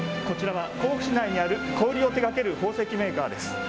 こちらは甲府市内にある小売りを手がける宝石メーカーです。